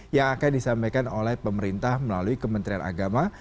yang akan disampaikan oleh pemerintah melalui kementerian agama